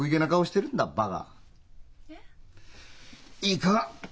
いいか？